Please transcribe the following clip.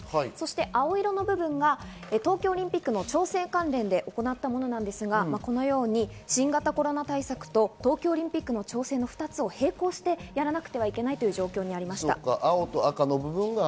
そして青色が東京オリンピックの調整関連で行ったものなんですが、このように新型コロナ対策と東京オリンピックの調整の２つを並行してやらなくちゃいけないという状況でした。